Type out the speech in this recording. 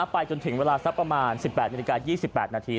ไปจนถึงเวลาสักประมาณ๑๘นาฬิกา๒๘นาที